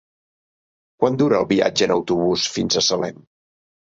Quant dura el viatge en autobús fins a Salem?